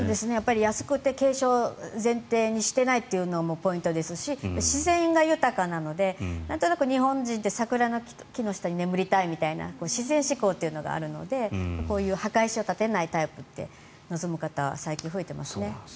安くて継承を前提にしていないというのももうポイントですし自然が豊かなのでなんとなく日本人って桜の木の下に眠りたいみたいな自然志向があるのでこういう墓石を建てないタイプって望む方が最近増えていますね。